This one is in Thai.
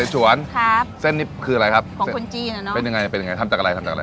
สวนครับเส้นนี้คืออะไรครับของคนจีนอ่ะเนอะเป็นยังไงเป็นยังไงทำจากอะไรทำจากอะไร